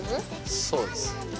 そうです。